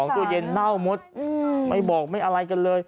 ตู้เย็นเน่าหมดไม่บอกไม่อะไรกันเลย